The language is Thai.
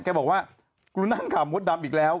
แกบอกว่ากูนั่งข่าวมดดำอีกแล้ว